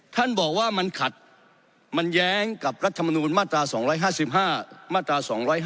ท่านบอกว่ามันขัดมันแย้งกับรัฐมนูลมาตรา๒๕๕มาตรา๒๕๖